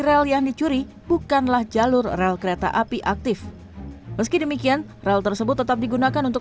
rel yang dicuri bukanlah jalur rel kereta api aktif meski demikian rel tersebut tetap digunakan untuk